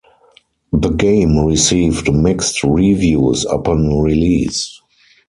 The game received mixed reviews upon release.